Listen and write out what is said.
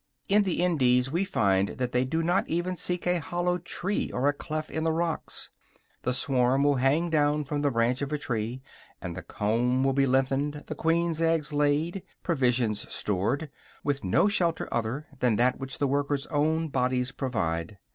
In the Indies we find that they do not even seek a hollow tree or a cleft in the rocks. The swarm will hang down from the branch of a tree, and the comb will be lengthened, the queen's eggs laid, provisions stored, with no shelter other than that which the workers' own bodies provide.